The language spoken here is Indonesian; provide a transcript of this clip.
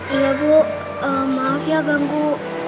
iya bu maaf ya ganggu